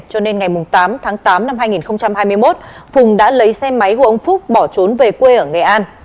cho nên ngày tám tháng tám năm hai nghìn hai mươi một phùng đã lấy xe máy của ông phúc bỏ trốn về quê ở nghệ an